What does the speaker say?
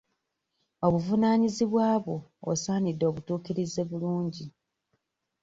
Obuvunaanyizibwa bwo osaanidde obutuukirize bulungi.